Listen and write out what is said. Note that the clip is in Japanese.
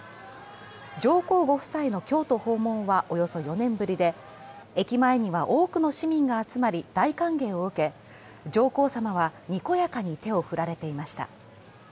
上皇ご夫妻の京都訪問はおよそ４年ぶりで駅前には多くの市民が集まり、大歓迎を受け、上皇さまはにこやかに手を振られていました。